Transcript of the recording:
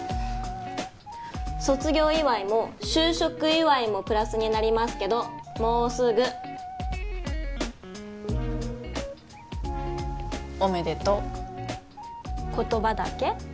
卒業祝いも就職祝いもプラスになりますけどもうすぐおめでとう言葉だけ？